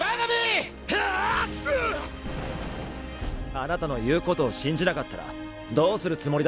あなたの言うことを信じなかったらどうするつもりだったんですか。